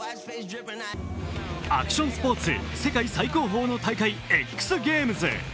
アクションスポーツ、世界最高峰の大会、ＸＧａｍｅｓ。